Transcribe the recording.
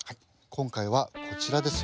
今回はこちらです。